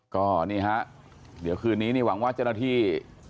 ก็นี่ฮะเดี๋ยวคืนนี้นี่หวังว่าเจ้าหน้าที่